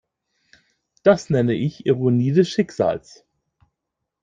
Das nenne ich Ironie des Schicksals.